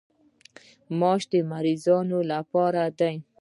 ماش د مریضانو لپاره دي.